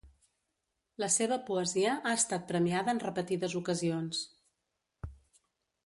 La seva poesia ha estat premiada en repetides ocasions.